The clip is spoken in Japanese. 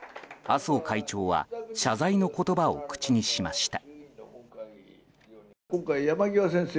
麻生会長は謝罪の言葉を口にしました。